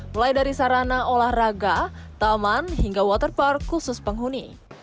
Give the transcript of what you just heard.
mulai dari sarana olahraga taman hingga waterpark khusus penghuni